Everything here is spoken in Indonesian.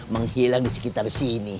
menghilang di sekitar sini